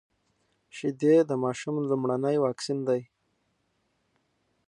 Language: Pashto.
شيدې د ماشوم لومړنی واکسين دی.